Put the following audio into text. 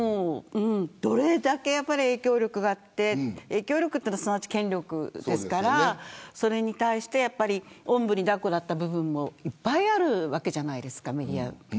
どれだけ影響力があって影響力は、すなわち権力ですからそれに対しておんぶにだっこだった部分もいっぱいあるわけじゃないですか。